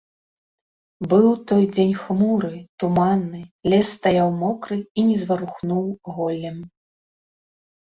Быў той дзень хмурны, туманны, лес стаяў мокры і не зварухнуў голлем.